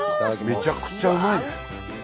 めちゃくちゃうまいね。